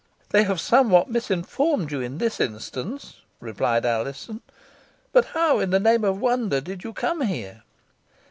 "They have somewhat misinformed you in this instance," replied Alizon; "but how, in the name of wonder, did you come here?"